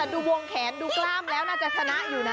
ดูวงแขนดูกล้ามแล้วน่าจะชนะอยู่นะ